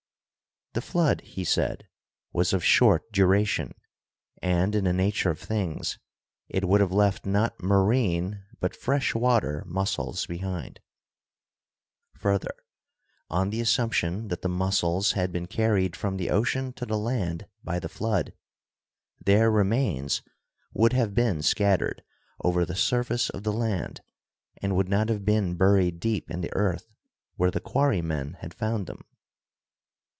The Flood, he said, was of short duration, and in the nature of things it would have left not marine but fresh water mussels behind; further, on the assumption that the mussels had been carried from the ocean to the land by the Flood, their remains would have been scat tered over the surface of the land and would not have been buried deep in the earth where the quarrymen had found them.